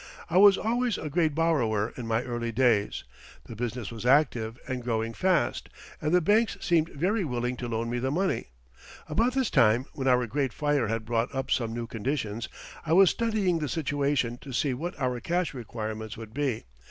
I was always a great borrower in my early days; the business was active and growing fast, and the banks seemed very willing to loan me the money. About this time, when our great fire had brought up some new conditions, I was studying the situation to see what our cash requirements would be.